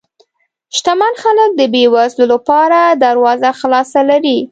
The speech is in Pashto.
شتمن خلک د بې وزلو لپاره دروازه خلاصه لري.